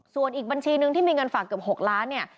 ส่วนอีกบัญชีนึงที่มีเงินฝากเกือบ๖ล้านเนี่ย